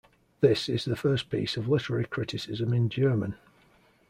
This is the first piece of literary criticism in German.